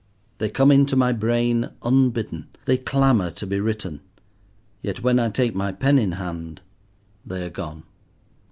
They come into my brain unbidden, they clamour to be written, yet when I take my pen in hand they are gone.